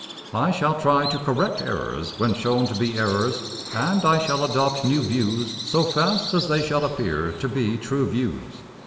I shall try to correct errors when shown to be errors; and I shall adopt new views so fast as they shall appear to be true views.